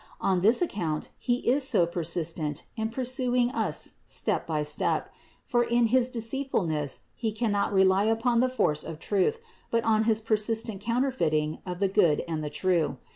On this account he is so persistent in pursuing us step by step; for in his deceitfulness he cannot rely upon the force of truth, but on his persistent counter feiting of the good and the true.